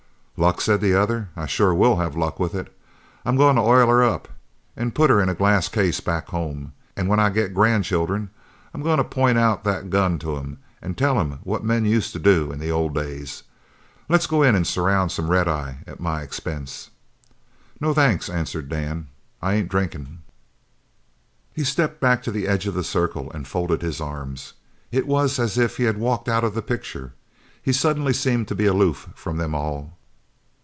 "Luck?" said the other. "I sure will have luck with it. I'm goin' to oil her up and put her in a glass case back home, an' when I get grandchildren I'm goin' to point out that gun to 'em and tell 'em what men used to do in the old days. Let's go in an' surround some red eye at my expense." "No thanks," answered Dan, "I ain't drinkin'." He stepped back to the edge of the circle and folded his arms. It was as if he had walked out of the picture. He suddenly seemed to be aloof from them all.